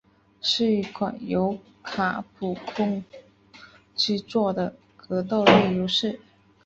是一款由卡普空制作的格斗类游戏。